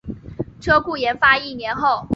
车库研发一年后